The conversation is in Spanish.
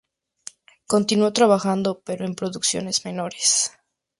Continuo trabajando pero en producciones menores.